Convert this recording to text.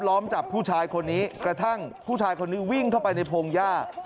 ล้อมจับผู้ชายคนนี้กระทั่งผู้ชายคนนี้วิ่งเข้าไปในพงหญ้า